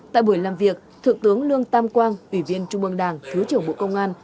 tại buổi làm việc thượng tướng lương tam quang ủy viên trung mương đảng thứ trưởng bộ công an